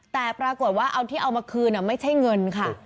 แต่ปรากฏว่าเอาที่เอามาคืนไม่ใช่เงินค่ะ